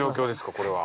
これは。